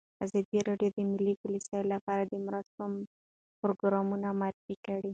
ازادي راډیو د مالي پالیسي لپاره د مرستو پروګرامونه معرفي کړي.